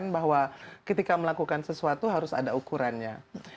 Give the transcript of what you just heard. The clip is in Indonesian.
bahwa ketika melakukan sesuatu harus ada ukurannya